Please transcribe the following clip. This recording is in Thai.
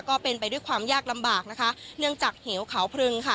ก็เป็นไปด้วยความยากลำบากนะคะเนื่องจากเหวขาวพรึงค่ะ